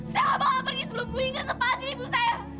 saya ngomong aku pergi sebelum bu ingrid lepasin ibu saya